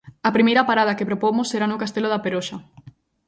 A primeira parada que propomos será no Castelo da Peroxa.